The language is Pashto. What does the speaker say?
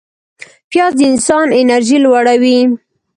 پیاز د انسان انرژي لوړوي